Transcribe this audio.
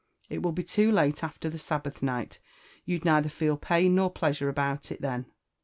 —It will be loo late after the Sabbath night; — you'd neither feel pain nor pleasure about it then."